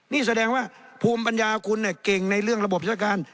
นี่แสดงว่าภูมิปัญญาคุณเก่งในเรื่องระบบราชการ